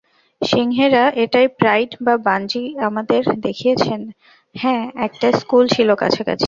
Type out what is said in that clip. সিংহেরা এটাই প্রাইড যা বাঞ্জি আমাদের দেখিয়েছে হ্যাঁ, একটা স্কুল ছিল কাছাকাছি।